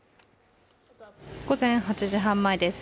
午前８時半前です。